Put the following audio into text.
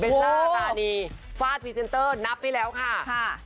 ซ่ารานีฟาดพรีเซนเตอร์นับให้แล้วค่ะ